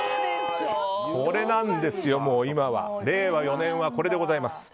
これなんですよ、令和４年は第１位はこれでございます。